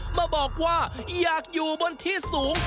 มาบอกว่าอยากอยู่บนที่สูง